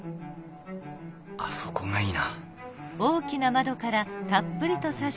あそこがいいな